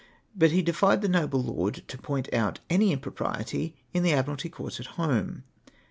But he defied the noble lord to point out any impropriety in the Admiralty Courts at home.